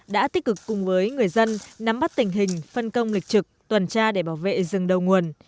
đã tích cực cùng với người dân nắm bắt tình hình phân công lịch trực tuần tra để bảo vệ rừng đầu nguồn